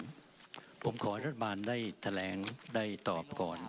ผมขอราธบาลได้แทรงได้ตอบก่อน